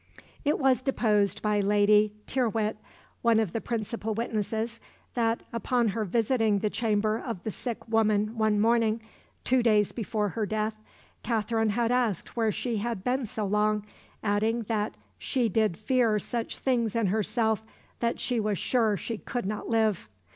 It was deposed by Lady Tyrwhitt, one of the principal witnesses, that, upon her visiting the chamber of the sick woman one morning, two days before her death, Katherine had asked where she had been so long, adding that "she did fear such things in herself that she was sure she could not live."